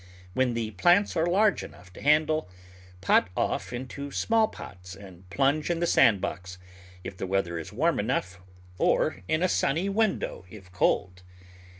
When the plants are large enough to handle, pot off into small pots and plunge in the sand box, if the weather is warm enough, or in a sunny window if cold.